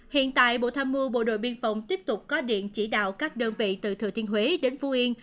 hiện tại bộ tham mưu bộ đội biên phòng tiếp tục có điện chỉ đạo các đơn vị từ thừa thiên huế đến phú yên